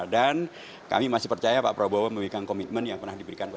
dan kami masih percaya pak prabowo memiliki komitmen yang pernah diberikan